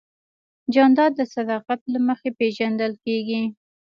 جانداد د صداقت له مخې پېژندل کېږي.